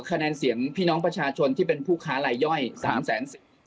คะแนนเสียงพี่น้องประชาชนที่เป็นผู้ค้าลายย่อยสามแสน